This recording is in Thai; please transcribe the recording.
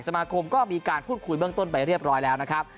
สมาคมก็มีการพูดคุยเบื้องต้นไปเรียบร้อยแล้วนะครับ